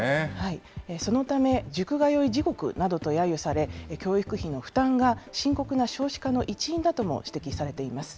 そのため、塾通い地獄などとやゆされ、教育費の負担が深刻な少子化の一因だとも指摘されています。